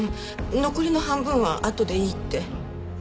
残りの半分はあとでいいって。